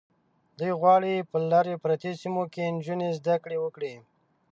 دوی غواړي په لرې پرتو سیمو کې نجونې زده کړې وکړي.